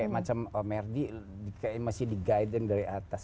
macam merdi kayaknya masih di guide in dari atas